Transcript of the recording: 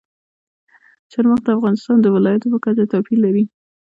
چار مغز د افغانستان د ولایاتو په کچه توپیر لري.